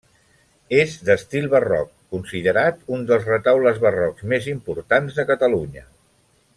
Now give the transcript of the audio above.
És d'estil barroc, considerat un dels retaules barrocs més importants de Catalunya.